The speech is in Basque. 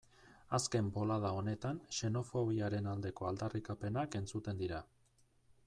Azken bolada honetan xenofobiaren aldeko aldarrikapenak entzuten dira.